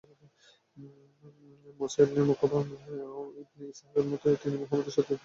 মুসা ibn Uqba ও ibn ইসহাকের মতে, তিনি মুহাম্মদ এর সাথে তিনি বদর যুদ্ধে অংশগ্রহণ করেন।